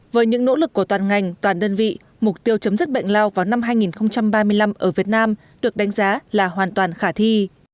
với những nỗ lực của toàn ngành toàn đơn vị mục tiêu chấm dứt bệnh lao vào năm hai nghìn ba mươi năm ở việt nam được đánh giá là hoàn toàn khả thi